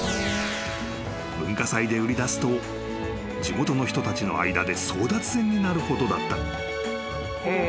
［文化祭で売り出すと地元の人たちの間で争奪戦になるほどだった］